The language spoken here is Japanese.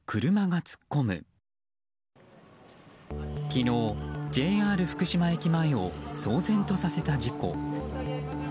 昨日、ＪＲ福島駅前を騒然とさせた事故。